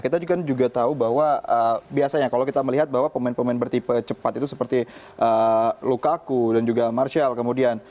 kita juga tahu bahwa biasanya kalau kita melihat bahwa pemain pemain bertipe cepat itu seperti lukaku dan juga marshal kemudian